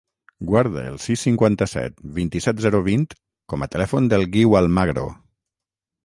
Guarda el sis, cinquanta-set, vint-i-set, zero, vint com a telèfon del Guiu Almagro.